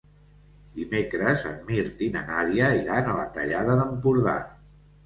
Dimecres en Mirt i na Nàdia iran a la Tallada d'Empordà.